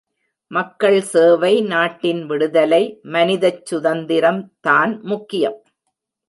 மக்கள் சேவை, நாட்டின் விடுதலை, மனிதச் சுதந்திரம் தான் முக்கியம்.